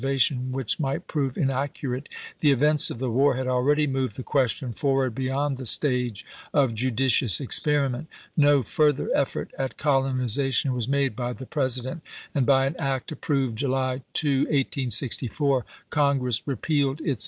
vations which might prove inaccurate, the events of the war had already moved the question forward be yond the stage of judicious experiment. No further effort at colonization was made by the President, at Large." Vol. XIII. and by an act approved July 2, 1864, Congress p 352.